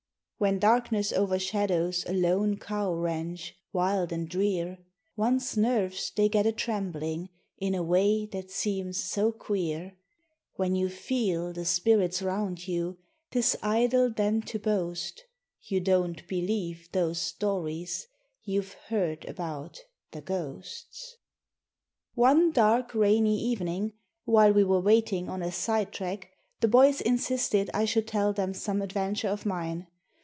When darkness overshadows a lone cow ranch, wild and drear, One's nerves they get a trembling in a way that seems so queer; When you feel the spirits round you, 'tis idle then to boast You don't believe those stories you've heard about the ghosts. One dark, rainy evening while we were waiting on a sidetrack the boys insisted I should tell them some adventure of mine.